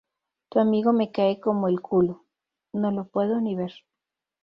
Tu amigo me cae como el culo. No lo puedo ni ver